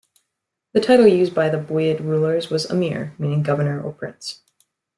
The title used by the Buyid rulers was "amir", meaning "governor" or "prince".